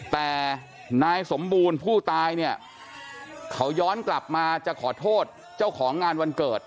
แต่นายสมบูรณ์ผู้ตายเนี่ยเขาย้อนกลับมาจะขอโทษเจ้าของงานวันเกิด